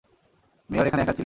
Mayor এখানে একা ছিলেন।